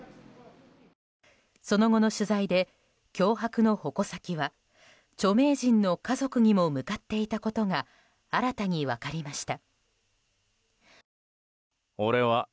その後の取材で、脅迫の矛先は著名人の家族にも向かっていたことが新たに分かりました。